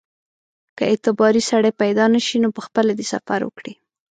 که اعتباري سړی پیدا نه شي نو پخپله دې سفر وکړي.